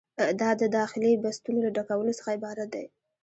دا د خالي بستونو له ډکولو څخه عبارت دی.